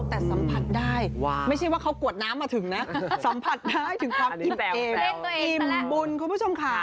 แต่สัมผัสได้ไม่ใช่ว่าเขากวดน้ำมาถึงนะสัมผัสได้ถึงความอิ่มบุญคุณผู้ชมค่ะ